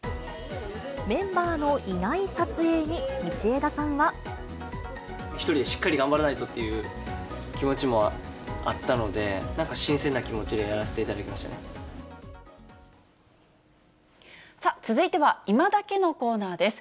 メンバーのいない撮影に、１人でしっかり頑張らないとっていう気持ちもあったので、なんか新鮮な気持ちでやらせていさあ、続いてはいまダケッのコーナーです。